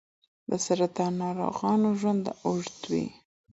د سرطان ناروغانو ژوند اوږدوي.